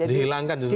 hilang kan justru